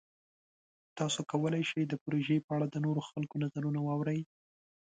تاسو کولی شئ د پروژې په اړه د نورو خلکو نظرونه واورئ.